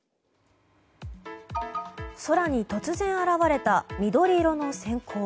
空に突然現れた緑色の閃光。